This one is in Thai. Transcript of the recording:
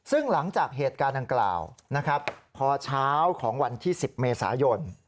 ซึ่งหลังจากเหตุการณ์ดังกล่าวนะครับพอเช้าของวันที่๑๐เมษายน